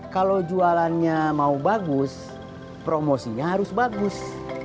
kalau jualannya mau bagus promosinya harus bagus